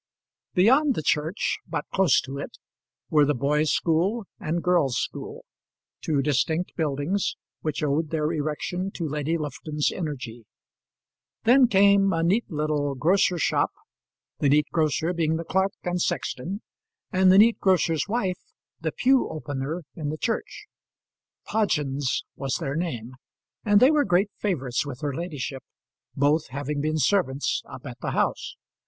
Beyond the church, but close to it, were the boys' school and girls' school, two distinct buildings, which owed their erection to Lady Lufton's energy; then came a neat little grocer's shop, the neat grocer being the clerk and sexton, and the neat grocer's wife, the pew opener in the church. Podgens was their name, and they were great favourites with her ladyship, both having been servants up at the house.